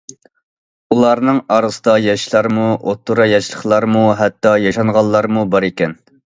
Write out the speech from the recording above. ئۇلارنىڭ ئارىسىدا ياشلارمۇ، ئوتتۇرا ياشلىقلارمۇ ھەتتا ياشانغانلارمۇ بار ئىكەن.